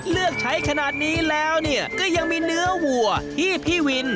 เลือกใช้ขนาดนี้แล้วก็ยังมีเนื้อวัวที่พี่วิน